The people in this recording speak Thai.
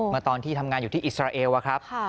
ตอนที่ทำงานอยู่ที่อิสราเอลอะครับ